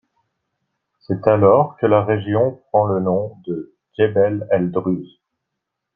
C'est alors que la région prend le nom de Djebel el-Druze.